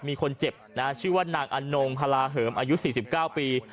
มีคนเจ็บนะชื่อว่านางอนงพลาเหิมอายุ๔๙ปี